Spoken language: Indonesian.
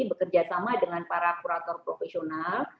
bekerja sama dengan para kurator profesional